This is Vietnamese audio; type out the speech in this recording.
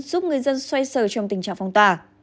giúp người dân xoay sở trong tình trạng phong tỏa